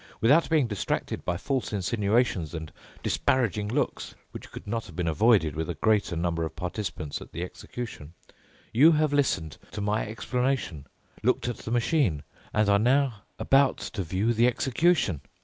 Without being distracted by false insinuations and disparaging looks—which could not have been avoided with a greater number of participants at the execution—you have listened to my explanation, looked at the machine, and are now about to view the execution.